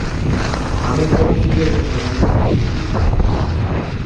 A ver que deciden os organismos disciplinarios.